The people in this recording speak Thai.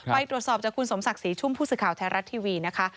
ไปตรวจสอบจากคุณสมศักดิ์ศรีชุ่มผู้สื่อข่าวไทยรัฐทีวีนะคะ